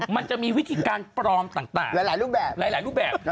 มันจะมีวิธีการปลอมต่างหลายรูปแบบ